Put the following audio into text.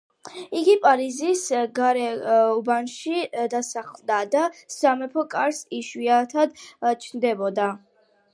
იგი პარიზის გარეუბანში დასახლდა და სამეფო კარზე იშვიათად ჩნდებოდა.